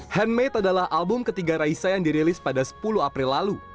handmade adalah album ketiga raisa yang dirilis pada sepuluh april lalu